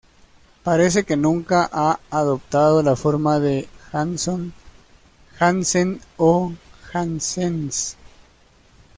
Parece que nunca ha adoptado la forma de Janson, Jansen o Janssens".